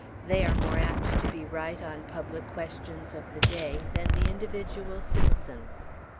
They are more apt to be right, on public questions of the day, than the individual citizen."